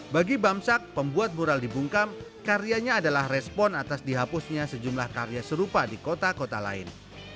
bagi bamsak pembuat mural dibungkam karyanya adalah respon atas dihapusnya sejumlah karya serupa di kota kota lain